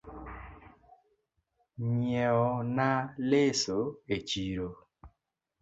Nyieo na lesa e chiro